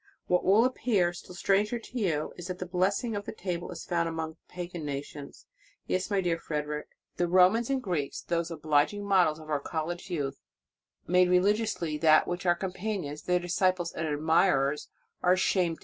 What will appear still stranger to you, is that the blessing of the table is found among pagan nations. Yes, my dear Frederic, the Romans and Greeks, those obliging models of our college youth, made religiously that which your companions, their disciples and admirers, are ashamed to * See Mamachi : Customs of Primitive Christians, t. ii.